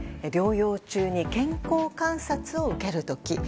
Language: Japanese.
療養中に健康観察を受ける時